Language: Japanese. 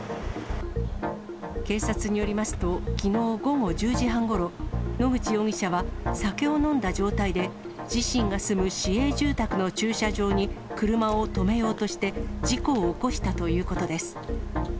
警察によりますと、きのう午後１０時半ごろ、野口容疑者は、酒を飲んだ状態で、自身が住む市営住宅の駐車場に車を止めようとして、事故を起こしたということです。